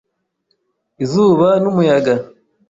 Izuba n'umuyaga